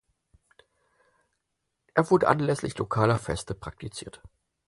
Er wurde anlässlich lokaler Feste praktiziert.